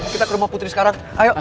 kita ke rumah putri sekarang ayo